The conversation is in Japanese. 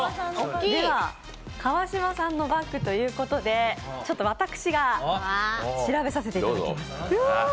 川島さんのバッグということで、私が調べさせていただきます。